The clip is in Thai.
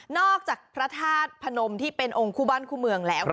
จากพระธาตุพนมที่เป็นองค์คู่บ้านคู่เมืองแล้ว